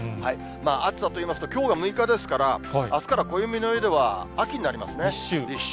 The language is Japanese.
暑さといいますと、きょうが６日ですから、あすから暦の上では秋立秋。